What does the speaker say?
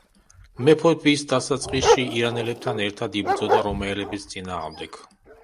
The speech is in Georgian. მეფობის დასაწყისში ირანელებთან ერთად იბრძოდა რომაელების წინააღმდეგ.